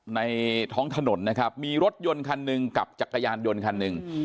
ในท้องถนนนะครับมีรถยนต์คันหนึ่งกับจักรยานยนต์คันหนึ่ง